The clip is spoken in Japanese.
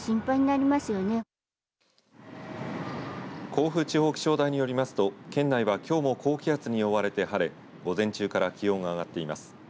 甲府地方気象台によりますと県内は、きょうも高気圧に覆われて晴れ午前中から気温が上がっています。